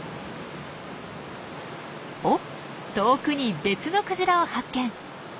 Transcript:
おっ遠くに別のクジラを発見！